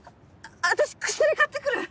私薬買ってくる！